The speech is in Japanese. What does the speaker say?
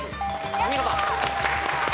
お見事。